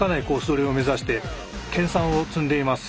取りを目指して研さんを積んでいます。